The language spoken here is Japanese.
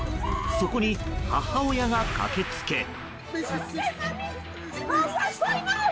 そこに母親が駆け付け。